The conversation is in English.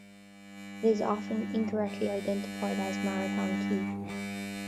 It is often incorrectly identified as "Marathon Key".